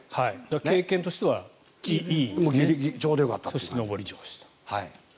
経験としてはいい。